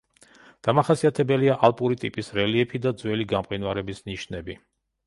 დამახასიათებელია ალპური ტიპის რელიეფი და ძველი გამყინვარების ნიშნები.